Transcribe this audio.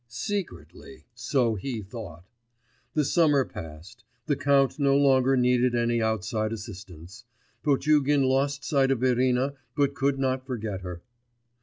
Secretly! So he thought. The summer passed; the count no longer needed any outside assistance. Potugin lost sight of Irina but could not forget her.